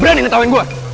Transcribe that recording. berani ngetawain gue